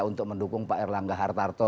untuk mendukung pak erlangga hartarto